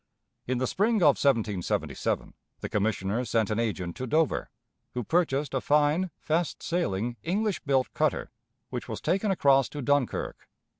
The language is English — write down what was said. In the spring of 1777 the Commissioners sent an agent to Dover, who purchased a fine, fast sailing English built cutter, which was taken across to Dunkirk.